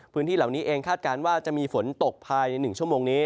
พื้นที่เหล่านี้เองคาดการณ์ว่าจะมีฝนตกภายใน๑ชั่วโมงนี้